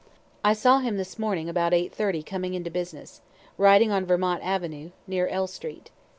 I saw him this morning about 8 1/2 coming in to business, riding on Vermont avenue, near L street.